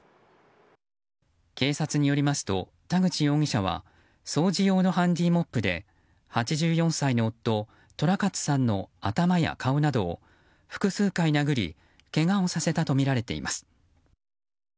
警察によりますと田口容疑者は掃除用のハンディーモップで８４歳の夫・寅勝さんの頭や顔などを複数回殴りけがをさせたとみられています。